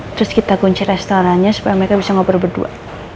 terus kita kunci restorannya supaya mereka bisa ngobrol berdua